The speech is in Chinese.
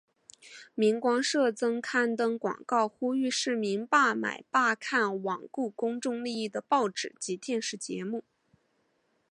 明光社曾刊登广告呼吁市民罢买罢看罔顾公众利益的报纸及电视节目。